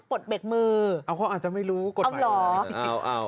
ปลดเบรกมือเขาอาจจะไม่รู้กดไป